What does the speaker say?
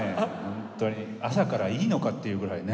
本当に朝からいいのかっていうぐらいね。